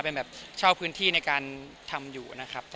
เป็นเช่าพื้นที่ในการทำอยู่